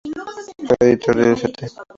Fue editor del "St.